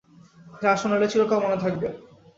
যা শোনালে চিরকাল মনে থাকবে।